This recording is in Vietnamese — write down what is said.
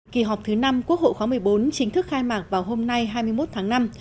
kỳ họp thứ năm quốc hội khóa một mươi bốn chính thức khai mạc vào hôm nay hai mươi một tháng năm